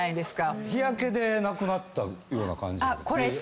日焼けでなくなったような感じやけど。